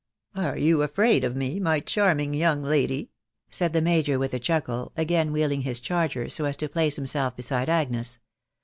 " Are you afraid of me, my charming young lady?1' wmk the major with a chuckle, again wheekng W charger a© aa to place himself beside Agnes.